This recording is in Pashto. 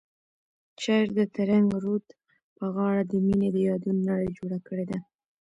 شاعر د ترنګ رود په غاړه د مینې د یادونو نړۍ جوړه کړې ده.